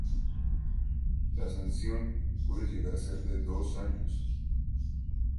La sanción puede llegar a ser de dos años.